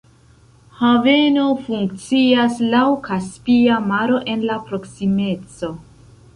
Haveno funkcias laŭ Kaspia Maro en la proksimeco.